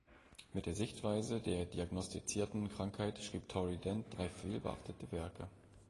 Mit der Sichtweise der diagnostizierten Krankheit schrieb Tory Dent drei vielbeachtete Werke.